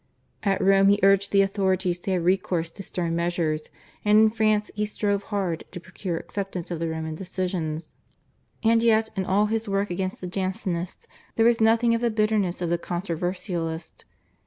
At Rome he urged the authorities to have recourse to stern measures, and in France he strove hard to procure acceptance of the Roman decisions. And yet in all his work against the Jansenists there was nothing of the bitterness of the controversialist.